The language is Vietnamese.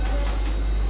chị sở thích